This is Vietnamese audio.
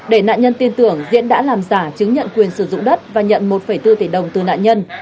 để nạn nhân tin tưởng diễn đã làm giả chứng nhận quyền sử dụng đất và nhận một bốn tỷ đồng từ nạn nhân